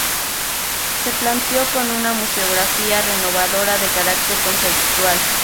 Se planteó con una museografía renovadora, de carácter conceptual.